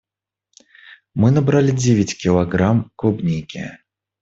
Мы набрали девять килограмм клубники.